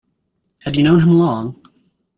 Had you known him long?